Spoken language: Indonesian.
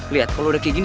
liat kalo udah kayak gini